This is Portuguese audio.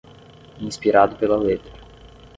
Inspirado pela letra